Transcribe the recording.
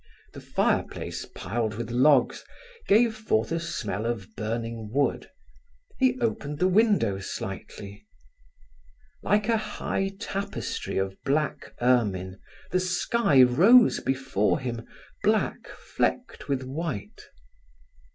The fireplace piled with logs gave forth a smell of burning wood. He opened the window slightly. Like a high tapestry of black ermine, the sky rose before him, black flecked with white.